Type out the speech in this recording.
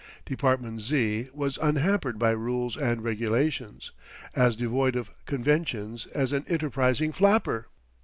Department Z. was unhampered by rules and regulations, as devoid of conventions as an enterprising flapper.